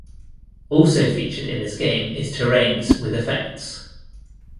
Also featured in this game is terrains with effects.